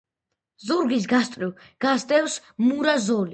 ზურგის გასწვრივ გასდევს მურა ზოლი.